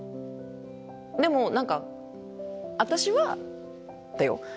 でも何か私はだよ。